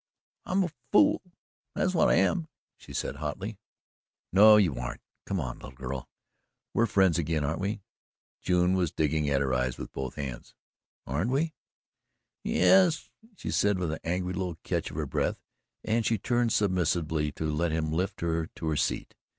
"I'm a fool that's what I am," she said hotly. "No, you aren't! Come on, little girl! We're friends again, aren't we?" June was digging at her eyes with both hands. "Aren't we?" "Yes," she said with an angry little catch of her breath, and she turned submissively to let him lift her to her seat.